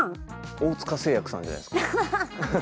大塚製薬さんじゃないですか？